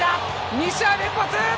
２試合連発！